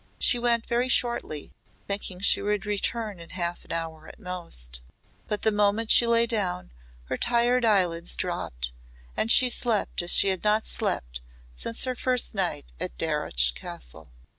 She went very shortly thinking she would return in half an hour at most, but the moment she lay down, her tired eyelids dropped and she slept as she had not slept since her first night at Darreuch Castle.